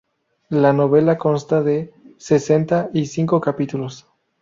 La novela consta de sesenta y cinco capítulos.